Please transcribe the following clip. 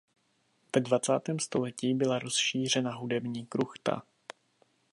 Ve dvacátém století byla rozšířena hudební kruchta.